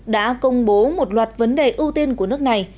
đã công bố một loạt vấn đề ưu tiên của nước này